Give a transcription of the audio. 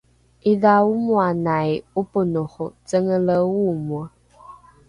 ’idha omoanai ’oponoho cengele oomoe